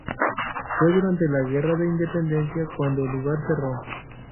Fue durante la Guerra de Independencia cuando el lugar cerró.